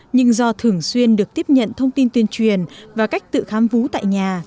nhưng do thường xuyên được tiếp nhận thông tin tuyên truyền và cách tự khám vú tại nhà